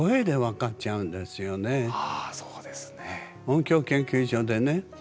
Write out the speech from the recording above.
音響研究所でね